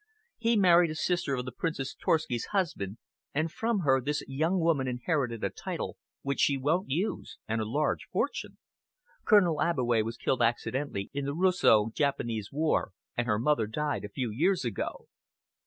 He married a sister of the Princess Torski's husband, and from her this young woman inherited a title which she won't use and a large fortune. Colonel Abbeway was killed accidentally in the Russo Japanese War, and her mother died a few years ago."